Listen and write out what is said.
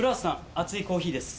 熱いコーヒーです。